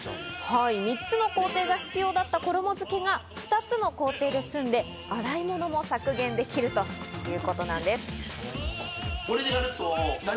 ３つの工程が必要だった衣付けが２つの工程で済んで、洗い物も削減できるということなんです。